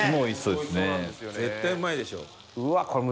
絶対うまいでしょ。